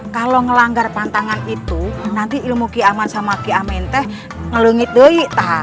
kalau ngelanggar pantangan itu nanti ilmu kiamat sama kiamin teh ngelengit doi tah